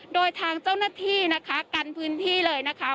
โดยทางเจ้าหน้าที่นะคะกันพื้นที่เลยนะคะ